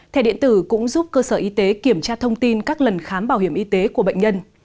thẻ điện tử cũng giúp cơ sở y tế kiểm tra thông tin các lần khám bảo hiểm y tế của bệnh nhân